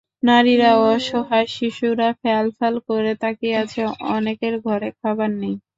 নারীরা অসহায়, শিশুরা ফ্যালফ্যাল করে তাকিয়ে আছে, অনেকের ঘরে খাবার নেই।